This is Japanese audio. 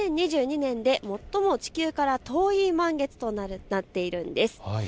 ２０２２年で最も地球から遠い満月となっているんです。